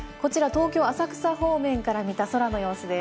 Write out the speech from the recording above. こちら、東京・浅草方面から見た空の様子です。